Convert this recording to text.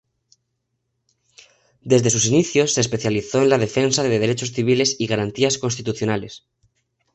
Desde sus inicios se especializó en la defensa de derechos civiles y garantías constitucionales.